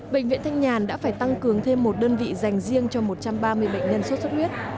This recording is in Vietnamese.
bệnh viện thanh nhàn đã phải tăng cường thêm một đơn vị dành riêng cho một trăm ba mươi bệnh nhân sốt xuất huyết